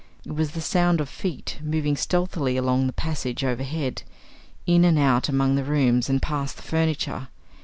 It was the sound of feet, moving stealthily along the passage overhead, in and out among the rooms, and past the furniture.